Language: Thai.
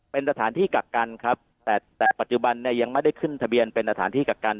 เป็นสถานที่กักกันครับแต่แต่ปัจจุบันเนี่ยยังไม่ได้ขึ้นทะเบียนเป็นสถานที่กักกัน